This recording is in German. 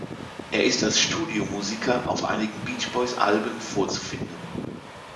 Er ist als Studiomusiker auf einigen Beach-Boys-Alben vorzufinden.